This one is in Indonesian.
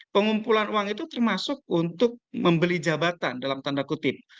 pengumpulan uang itu termasuk untuk membeli jabatan dalam tanda kutip